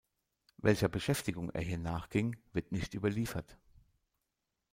Welcher Beschäftigung er hier nachging, wird nicht überliefert.